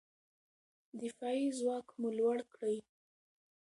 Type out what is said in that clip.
دفاعي ځواک مو لوړ کړئ.